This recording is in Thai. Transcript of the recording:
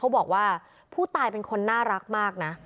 บอกว่าผู้ตายเป็นคนน่ารักมากนะ